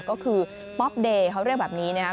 ก็คือป๊อปเดย์เขาเรียกแบบนี้นะครับ